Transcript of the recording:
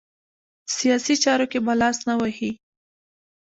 سیاسي چارو کې به لاس نه وهي.